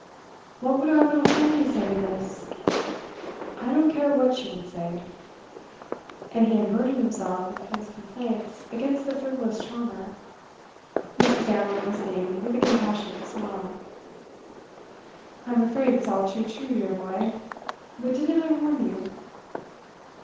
'What would our little Fanny say to this?' 'I don't care what she would say.' And he unburdened himself of his complaints against the frivolous charmer, Mrs. Damerel listening with a compassionate smile. 'I'm afraid it's all too true, dear boy. But didn't I warn you?